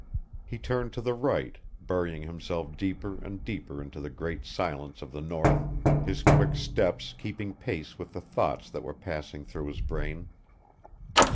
He turned to the right, burying himself deeper and deeper into the great silence of the north, his quick steps keeping pace with the thoughts that were passing through his brain.